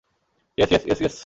Yes, yes, yes, yes.